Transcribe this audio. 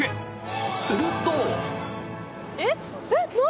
すると。